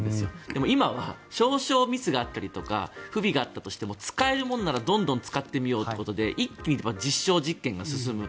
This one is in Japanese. でも今は、少々ミスがあったり不備があったとしても使えるものなら、どんどん使ってみようということで一気に実証実験が進む。